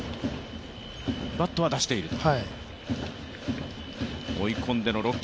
バットは出していると。